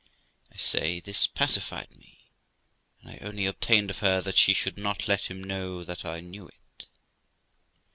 I say, this pacified me, and I only obtained of her that she should not let him know that I knew it.